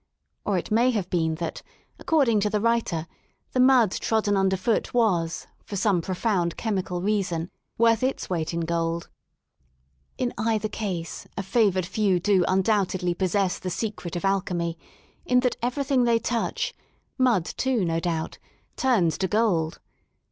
Or it may have been that, according to the writer, the mud trodden underfoot was, for some profound chemical reason, worth its weight in gold. In either case a favoured few do undoubtedly possess the secret of alchemy, in that everything they touch — mud, too, no doubt' — turns to gold.